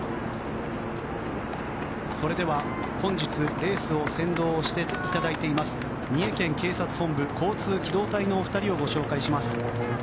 それでは、本日レースを先導していただいている三重県警察本部交通機動隊の２人をご紹介します。